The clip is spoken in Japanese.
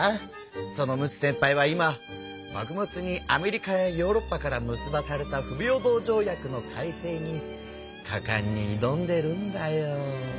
その陸奥先輩は今幕末にアメリカやヨーロッパから結ばされた不平等条約の改正にかかんに挑んでるんだよ。